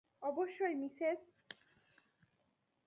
অবশ্যই, মিসেস।